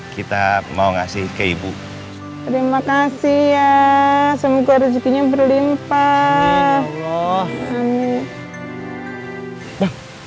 kita mau ngasih ke ibu terima kasih ya semoga rezekinya berlimpah